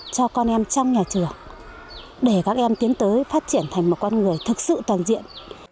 cho con em trong nhà trường để các em tiến tới phát triển thành một con người thực sự toàn diện